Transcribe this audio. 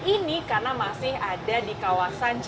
ini karena masih ada di kawasan